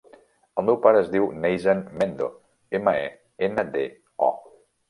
El meu pare es diu Neizan Mendo: ema, e, ena, de, o.